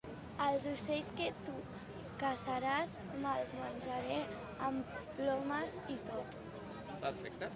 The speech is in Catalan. Els ocells que tu caçaràs, me'ls menjaré amb plomes i tot.